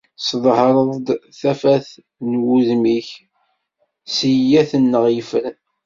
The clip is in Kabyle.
Tesḍehreḍ-d s tafat n wudem-ik sseyyat-nneɣ yeffren.